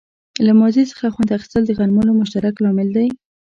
له ماضي څخه خوند اخیستل د غنملو مشترک لامل دی.